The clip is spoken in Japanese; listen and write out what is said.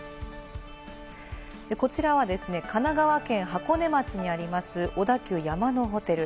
こちらは神奈川県箱根町にあります、小田急山のホテル。